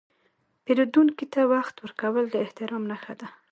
پیرودونکي ته وخت ورکول د احترام نښه ده.